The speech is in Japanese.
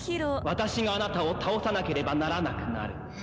私があなたを倒さなければならなくなる。